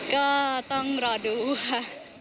ก็ต้องรอดูค่ะ